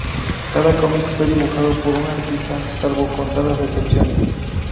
Cada cómic fue dibujado por un artista, salvo contadas excepciones.